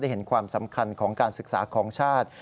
เห็นความสำคัญของการศึกษาของชาติ